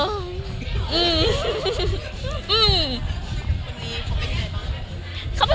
มันคิดว่าจะเป็นรายการหรือไม่มี